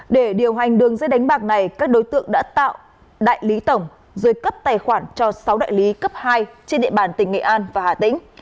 để điều hành đường dây đánh bạc này các đối tượng đã tạo đại lý tổng rồi cấp tài khoản cho sáu đại lý cấp hai trên địa bàn tỉnh nghệ an và hà tĩnh